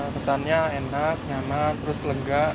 pesannya enak nyaman terus lega